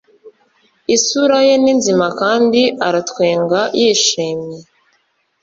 isura ye ni nzima kandi aratwenga yishimye